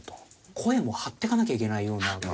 声も張っていかなきゃいけないような感じにね。